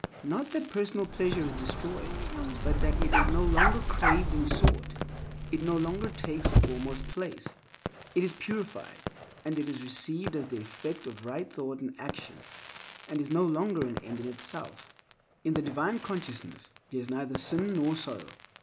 Not that personal pleasure is destroyed, but that it is no longer craved and sought, it no longer takes a foremost place. It is purified, and it is received as the effect of right thought and action, and is no longer an end in itself. In divine consciousness there is neither sin nor sorrow.